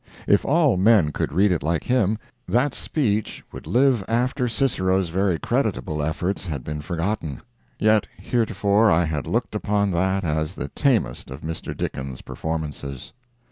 If all men could read it like him, that speech would live after Cicero's very creditable efforts had been forgotten; yet heretofore I had looked upon that as the tamest of Mr. Dickens' performances.